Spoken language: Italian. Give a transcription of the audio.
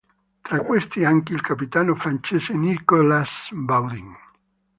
Tra questi anche il capitano francese Nicholas Baudin.